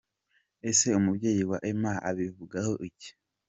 Ese umubyeyi wa Emma abivugaho iki ?.